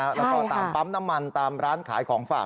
แล้วก็ตามปั๊มน้ำมันตามร้านขายของฝาก